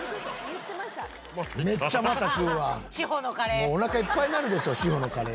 もうおなかいっぱいになるでしょ志保のカレー。